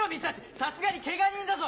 さすがにケガ人だぞ！